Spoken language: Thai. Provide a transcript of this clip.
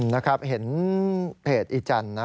นะครับเห็นเพจอีจันทร์นะ